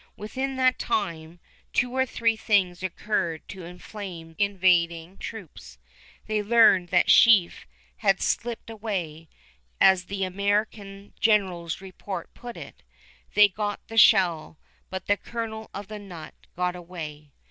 Within that time, two or three things occurred to inflame the invading troops. They learned that Sheaffe had slipped away; as the American general's report put it, "They got the shell, but the kernel of the nut got away."